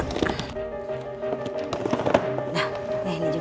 nah ini juga